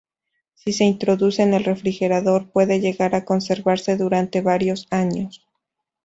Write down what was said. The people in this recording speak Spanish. Si se introduce en el refrigerador puede llegar a conservarse durante varios años.